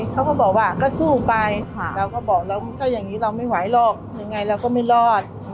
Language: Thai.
เขาก็บอกว่าก็สู้ไปเราก็บอกแล้วถ้าอย่างนี้เราไม่ไหวหรอกยังไงเราก็ไม่รอด